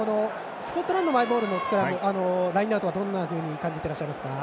スコットランド、マイボールのラインアウトはどう感じてらっしゃいますか？